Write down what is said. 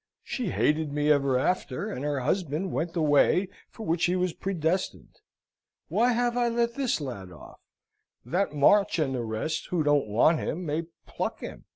She hated me ever after, and her husband went the way for which he was predestined. Why have I let this lad off? that March and the rest, who don't want him, may pluck him!